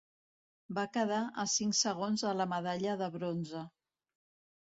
Va quedar a cinc segons de la medalla de bronze.